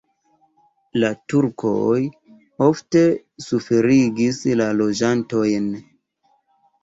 La turkoj ofte suferigis la loĝantojn.